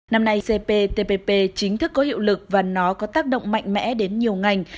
năm nay cptpp chính thức có hiệu lực và nó có tác động mạnh mẽ đến nhiều ngành